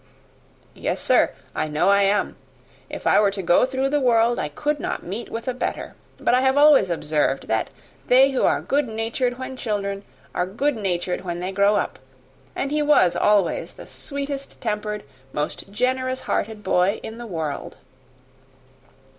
"Yes, sir, I know I am. If I were to go through the world, I could not meet with a better. But I have always observed, that they who are good natured when children, are good natured when they grow up; and he was always the sweetest tempered, most generous hearted boy in the world."